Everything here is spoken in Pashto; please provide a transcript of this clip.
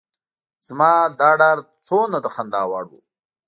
زما دا ډار څومره د خندا وړ و.